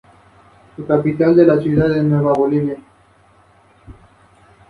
La censura no debería confundirse con el concepto relacionado de truncamiento.